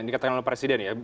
ini katakan oleh presiden ya